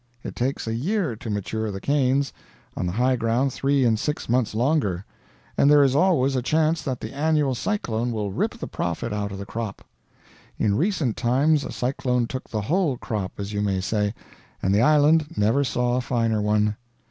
It takes a year to mature the canes on the high ground three and six months longer and there is always a chance that the annual cyclone will rip the profit out of the crop. In recent times a cyclone took the whole crop, as you may say; and the island never saw a finer one.